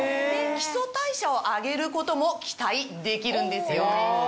基礎代謝を上げることも期待できるんですよ。